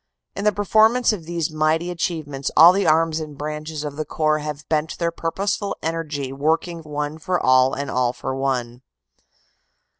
"In the performance of these mighty achievements all the arms and branches of the Corps have bent their purposeful energy working one for all and all for one.